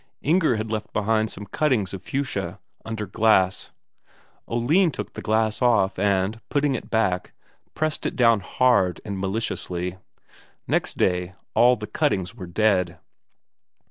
Inger had left behind some cuttings of fuchsia, under glass. Oline took the glass off and, putting it back, pressed it down hard and maliciously; next day, all the cuttings were dead.